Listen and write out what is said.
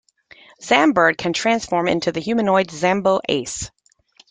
Zambird can transform into the humanoid Zambo Ace.